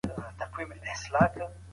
بې کنټروله حالت نا ارامي زیاتوي.